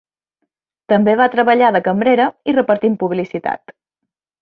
També va treballar de cambrera i repartint publicitat.